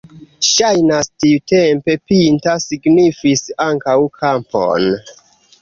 Ŝajnas, tiutempe pinta signifis ankaŭ kampon.